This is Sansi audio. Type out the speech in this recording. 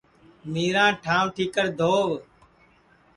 مِیراں ٹھانٚوَ ٹھِیکر دھووَ